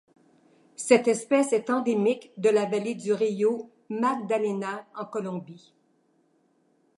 Cette espèce est endémique de la vallée du río Magdalena en Colombie.